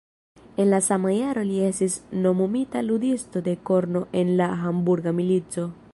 En la sama jaro li estis nomumita ludisto de korno en la Hamburga milico.